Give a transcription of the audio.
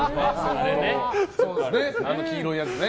あの黄色いやつね。